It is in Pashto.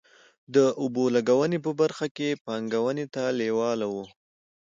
د اوبو لګونې په برخه کې پانګونې ته لېواله وو.